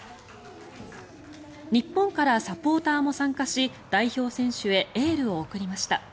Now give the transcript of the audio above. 日本からサポーターも参加し代表選手へエールを送りました。